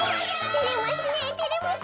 てれますねてれますね。